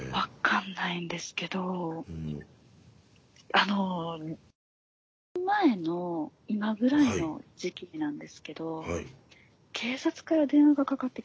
あのあとは２年前の今ぐらいの時期なんですけど警察から電話がかかってきたんですよ。